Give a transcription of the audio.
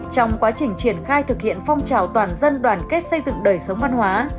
trong quá trình triển khai thực hiện phong trào toàn dân đoàn kết xây dựng đời sống văn hóa